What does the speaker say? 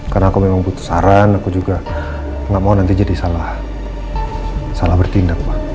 karena aku memang butuh saran aku juga nggak mau nanti jadi salah bertindak pak